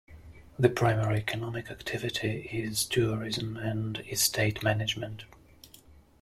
The primary economic activity is tourism and estate management.